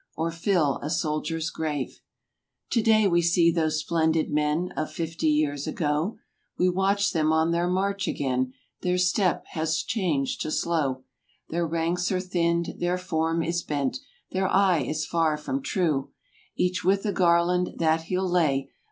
Or fill a soldier's grave. Today we see those splendid men Of fifty years ago; We watch them on their march again— Their step has changed to slow; Their ranks are thinned; their form is bent; Their eye is far from true; Each with a garland that he'll lay.